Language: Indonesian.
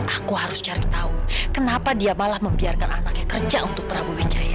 aku harus cari tahu kenapa dia malah membiarkan anaknya kerja untuk prabu wijaya